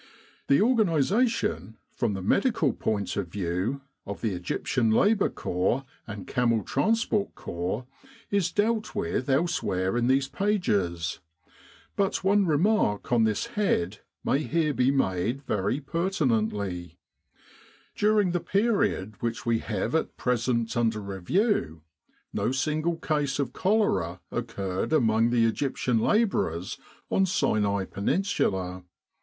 The organisation, from the medical point of view, of the Egyptian Labour Corps and Camel Transport Corps is dealt with elsewhere in these pages ; but one remark on this head may here be made very pertinently. 177 With the R.A.M.C. in Egypt During the period which we have at present under review, no single case of cholera occurred among the Egyptian labourers on Sinai Peninsula.